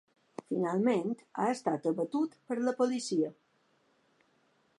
Finalment, ha estat abatut per la policia.